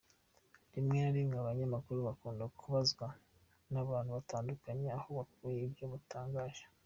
Rimwe na rimwe abanyamakuru bakunda kubazwa n’abantu batandukanye aho bakuye ibyo batangaje.